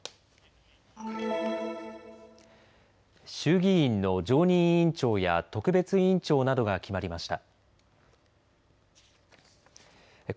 衆議院の常任委員長や特別委員長などが決まりました。